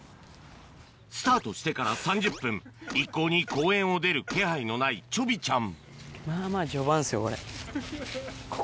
スタートしてから３０分一向に公園を出る気配のないちょびちゃん